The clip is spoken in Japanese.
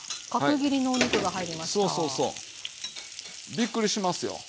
びっくりしますよ。